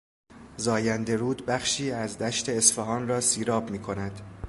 زاینده رود بخشی از دشت اصفهان را سیراب میکند.